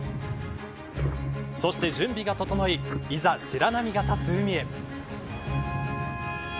そして準備が整いいざ、白波が立つ海へ。